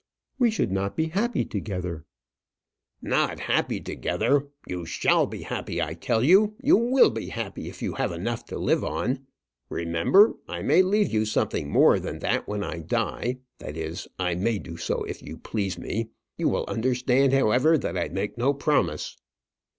"We should not be happy together." "Not happy together! You shall be happy, I tell you; you will be happy if you have enough to live on. Remember, I may leave you something more than that when I die; that is, I may do so if you please me. You will understand, however, that I make no promise."